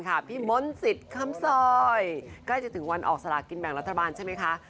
ใกล้จะถึงวันออกสารากินแบ่งรัฐบาลใช่ไหมคะ